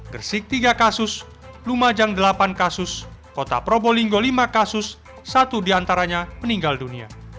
gersik tiga kasus lumajang delapan kasus kota probolinggo lima kasus satu diantaranya meninggal dunia